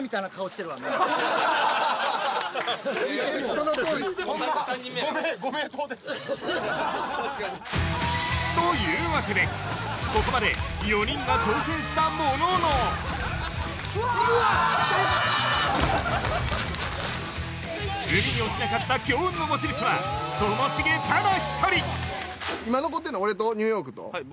そのとおり・３人目やろというわけでここまで４人が挑戦したものの海に落ちなかった強運の持ち主はともしげただ１人今残ってるの俺とニューヨークとはい